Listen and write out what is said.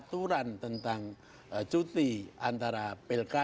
gue makin trok mungkin ketika dia dipakai